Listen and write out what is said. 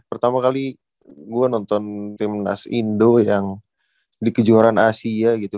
pertama kali gue nonton timnas indo yang di kejuaraan asia gitu